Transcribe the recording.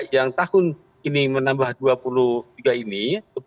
yang tahun ini menambah dua puluh tiga ini